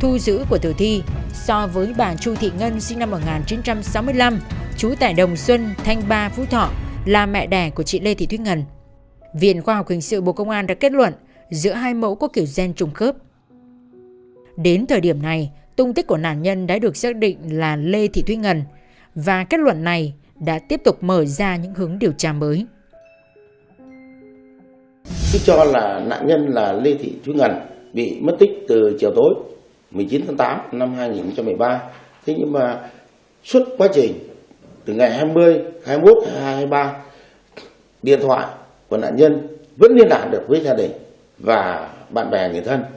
từ chiều tối một mươi chín tháng tám năm hai nghìn một mươi ba thế nhưng mà suốt quá trình từ ngày hai mươi hai mươi một hai mươi ba điện thoại của nạn nhân vẫn liên lạc được với gia đình và bạn bè người thân